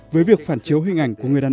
với việc phản chiếu hình ảnh của người đàn ông